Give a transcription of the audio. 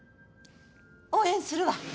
応援するわ！